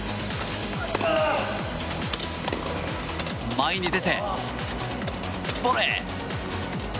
前に出て、ボレー！